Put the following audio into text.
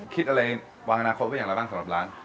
คิดอะไรวางอนาคตไว้อย่างไรบ้างสำหรับร้าน